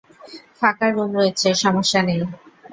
ফাঁকা রুম রয়েছে, সমস্যা নেই।